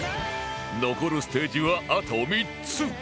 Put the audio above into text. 残るステージはあと３つ